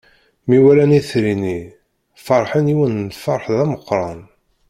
Mi walan itri-nni, feṛḥen yiwen n lfeṛḥ d ameqqran.